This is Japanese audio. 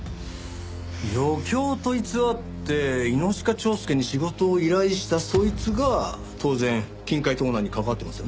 余興と偽って猪鹿蝶助に仕事を依頼したそいつが当然金塊盗難に関わってますよね？